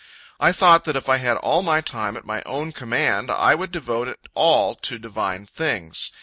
I thought that if I had all my time at my own command, I would devote it all to divine things.